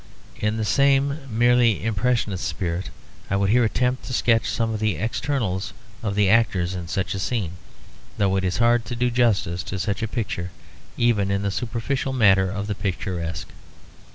In the same merely impressionist spirit I would here attempt to sketch some of the externals of the actors in such a scene, though it is hard to do justice to such a picture even in the superficial matter of the picturesque.